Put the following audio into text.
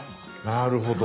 なるほど。